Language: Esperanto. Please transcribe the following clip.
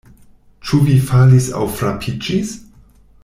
Ĉu vi falis aŭ frapiĝis?